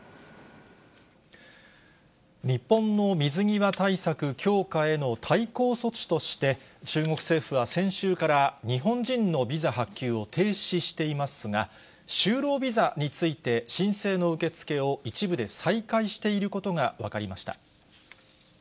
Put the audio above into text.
日本の水際対策強化への対抗措置として、中国政府は先週から、日本人のビザ発給を停止していますが、就労ビザについて、申請の受け付けを、一部で再開していることが分かりました。